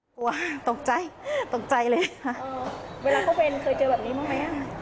โอ้โหตกใจตกใจเลยค่ะเออเวลาก็เป็นเคยเจอแบบนี้มากมั้ยอ่ะ